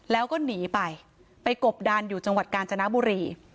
แล้วก็หนีไปไปกบดานอยู่จังหวัดกาญจนบุรี